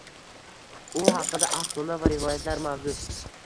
U haqida afsona va rivoyatlar mavjud.